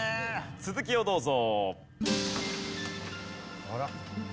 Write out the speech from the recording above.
続きをどうぞ。